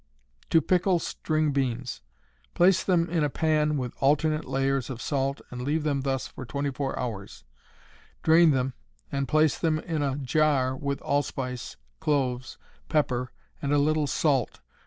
To Pickle String Beans. Place them in a pan with alternate layers of salt and leave them thus for 24 hours. Drain them and place them in a jar with allspice, cloves, pepper and a little salt.